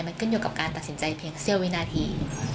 มันขึ้นอยู่กับการตัดสินใจเพียงเสี้ยววินาที